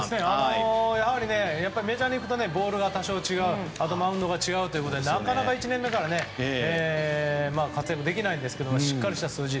やはりメジャーに行くと多少ボールやマウンドが違うということでなかなか１年目から活躍できないんですけれどもしっかりした数字。